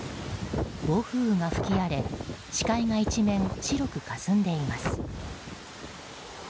暴風が吹き荒れ視界が一面白くかすんでいます。